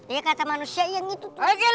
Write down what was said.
iya kata manusia yang gitu